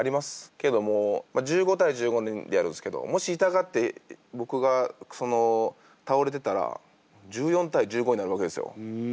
けどもう１５対１５でやるんすけどもし痛がって僕が倒れてたら１４対１５になるわけですよ。